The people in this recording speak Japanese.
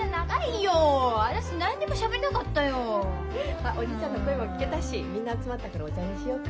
まっおじいちゃんの声も聞けたしみんな集まったからお茶にしようか。